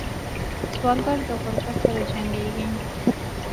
سوالګر د غربت سره جنګېږي